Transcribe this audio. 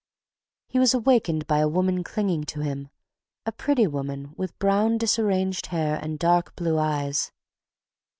He was awakened by a woman clinging to him, a pretty woman, with brown, disarranged hair and dark blue eyes.